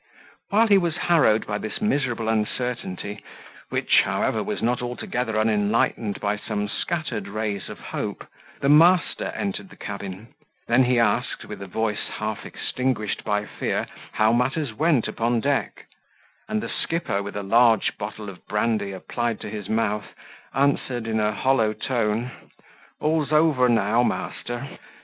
While he was harrowed by this miserable uncertainty, which, however, was not altogether unenlightened by some scattered rays of hope, the master entered the cabin: then he asked, with a voice half extinguished by fear, how matters went upon deck; and the skipper, with a large bottle of brandy applied to his mouth, answered, in a hollow tone, "All's over now, master."